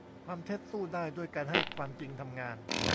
ความเท็จสู้ได้ด้วยการให้ความจริงทำงาน